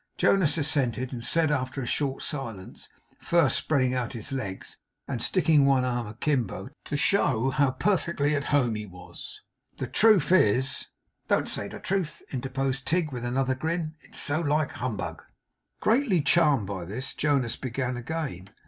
Jonas assented, and said after a short silence, first spreading out his legs, and sticking one arm akimbo to show how perfectly at home he was, 'The truth is ' 'Don't say, the truth,' interposed Tigg, with another grin. 'It's so like humbug.' Greatly charmed by this, Jonas began again.